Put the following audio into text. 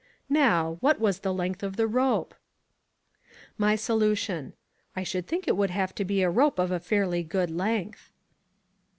Now, what was the length of the rope? My Solution: I should think it would have to be a rope of a fairly good length.